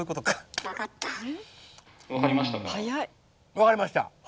・わかりましたか？